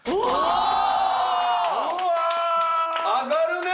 上がるね！